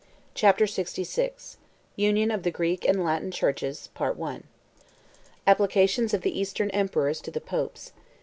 ] Chapter LXVI: Union Of The Greek And Latin Churches.—Part I. Applications Of The Eastern Emperors To The Popes.